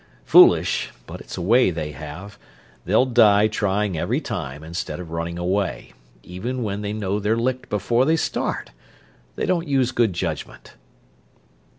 Foolish, but it's a way they have they'll die trying every time, instead of running away, even when they know they're licked before they start. They don't use good judgment."